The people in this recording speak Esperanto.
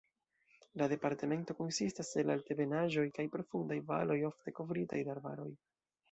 La departemento konsistas el altebenaĵoj kaj profundaj valoj ofte kovritaj de arbaroj.